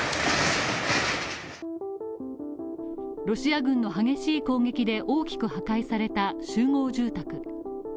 ロシア軍の激しい攻撃で大きく破壊された集合住宅。